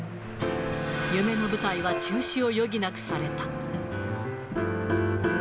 夢の舞台は中止を余儀なくされた。